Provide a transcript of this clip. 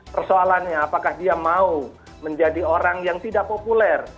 persoalannya apakah dia mau menjadi orang yang tidak populer